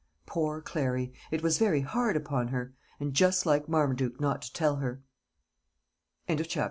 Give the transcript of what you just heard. "Poor Clary, it was very hard upon her; and just Like Marmaduke not to tell her." CHAPTER III.